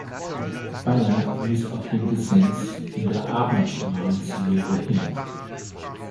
Beyer wies auf den Dissens in der Abendmahlslehre hin.